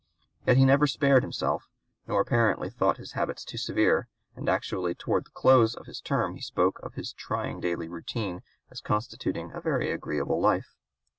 Yet he never spared himself, nor apparently thought his habits too severe, and actually toward the close of his term he spoke of his trying daily routine as constituting a very agreeable life.